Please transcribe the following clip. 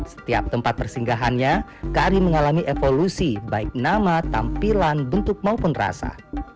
setiap tempat persinggahannya kari mengalami evolusi baik nama tampilan bentuk maupun rasa